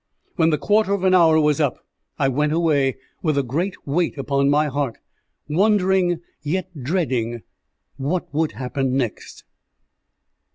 When the quarter of an hour was up, I went away, with a great weight upon my heart, wondering, yet dreading, what would happen next.